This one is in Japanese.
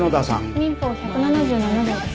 民法１７７条です。